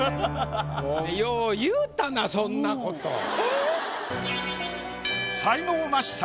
よう言うたなそんなこと。